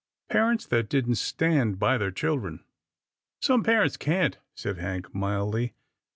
" Par ents that didn't stand by their children." " Some parents can't," said Hank mildly.